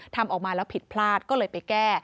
ทำออกมาแล้วผิดพลาดก็เลยไปแก้